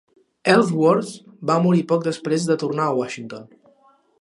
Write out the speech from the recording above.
Ellsworth va morir poc després de tornar a Washington.